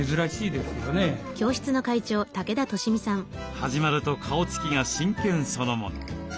始まると顔つきが真剣そのもの。